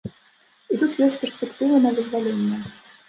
І тут ёсць перспектывы на вызваленне.